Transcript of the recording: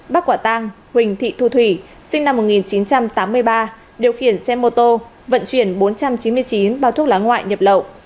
bác quả tang huỳnh thị thu thủy sinh năm một nghìn chín trăm tám mươi ba điều khiển xe mô tô vận chuyển bốn trăm chín mươi chín bao thuốc lá ngoại nhập lậu